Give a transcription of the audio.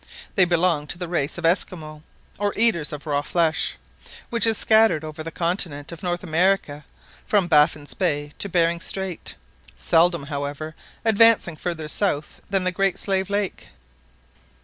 They belonged to the race of Esquimaux, "or eaters of raw flesh," which is scattered over the continent of North America, from Baffin's Bay to Behring Strait, seldom, however, advancing farther south than the Great Slave Lake.